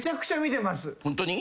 ホントに？